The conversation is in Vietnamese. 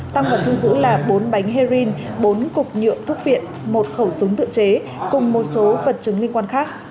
tăng vật thu giữ là bốn bánh heroin bốn cục nhựa thuốc viện một khẩu súng tự chế cùng một số vật chứng liên quan khác